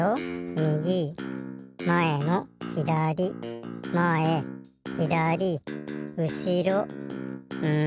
みぎまえのひだりまえひだりうしろん